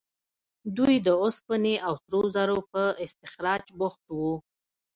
دوی د اوسپنې او سرو زرو په استخراج بوخت وو.